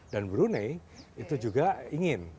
dan brunei itu juga ingin